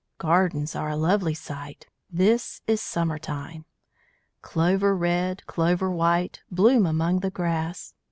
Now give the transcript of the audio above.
Gardens are a lovely sight! This is summer time. Clover red, clover white, Bloom among the grass.